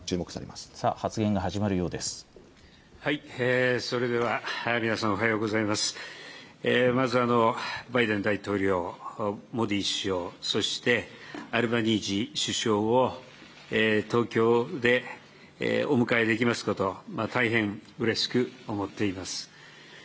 まずバイデン大統領、モディ首相、そしてアルバニージー首相を東京でお迎えできますこと、大変うれしく思っています。